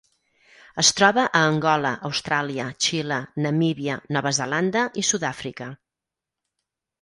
Es troba a Angola, Austràlia, Xile, Namíbia, Nova Zelanda i Sud-àfrica.